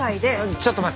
ちょっと待って。